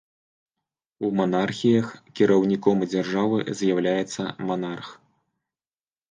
У манархіях кіраўніком дзяржавы з'яўляецца манарх.